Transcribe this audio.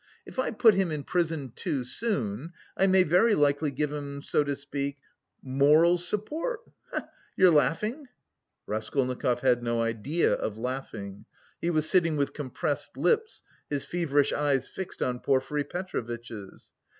If I put him in prison too soon, I may very likely give him, so to speak, moral support, he he! You're laughing?" Raskolnikov had no idea of laughing. He was sitting with compressed lips, his feverish eyes fixed on Porfiry Petrovitch's.